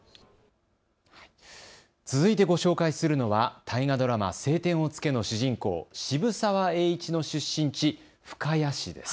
続いてご紹介するのは大河ドラマ、青天を衝けの主人公、渋沢栄一の出身地、深谷市です。